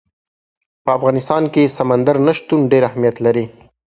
په افغانستان کې سمندر نه شتون ډېر اهمیت لري.